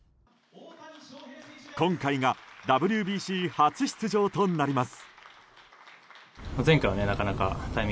今回がＷＢＣ初出場となります。